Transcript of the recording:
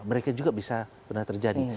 mereka juga bisa pernah terjadi